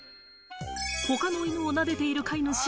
他の犬をなでている飼い主。